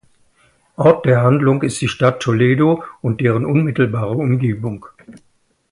Ort der Handlung ist die Stadt Toledo und deren unmittelbare Umgebung.